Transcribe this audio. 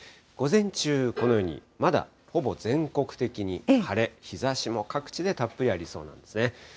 午前中、このようにまだほぼ全国的に晴れ、日ざしも各地でたっぷりありそうなんですね。